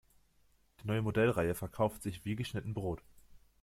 Die neue Modellreihe verkauft sich wie geschnitten Brot.